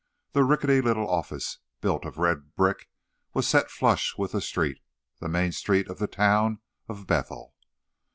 The rickety little office, built of red brick, was set flush with the street—the main street of the town of Bethel.